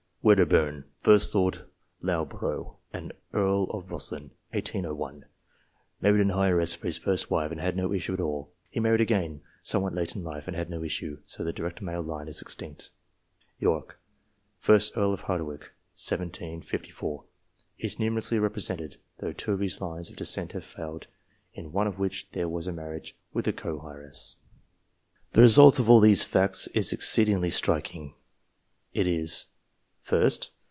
Wedderburn, 1st Lord Loughborough and Earl of Rosslyn (1801). Married an heiress for his first wife, and had no issue at all. He married again, somewhat late in life, and had no issue. So the direct male line is extinct. Yorke, 1st Earl of Hardwicke (1754). Is numerously repre sented, though two of his lines of descent have failed, in one of which there was a marriage with a co heiress. The result of all these facts is exceedingly striking It is : 1st.